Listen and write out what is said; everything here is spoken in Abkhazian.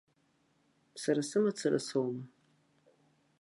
Сара сымацара соума.